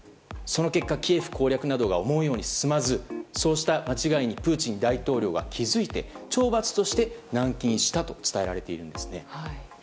その結果、キエフ攻略などが思うように進まずそうした間違いにプーチン大統領は気づいて懲罰として軟禁したと伝えられているんですね。